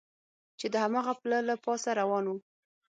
چې د هماغه پله له پاسه روان و.